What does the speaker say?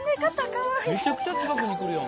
めちゃくちゃ近くに来るやん。